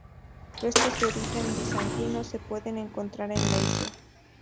Restos de origen bizantino se pueden encontrar en la isla.